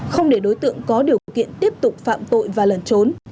không để đối tượng có điều kiện tiếp tục phạm tội và lẩn trốn